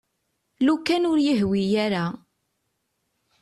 Lukan ur iyi-yehwi ara.